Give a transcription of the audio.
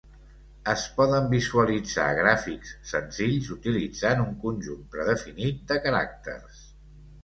Es poden visualitzar gràfics senzills utilitzant un conjunt predefinit de caràcters.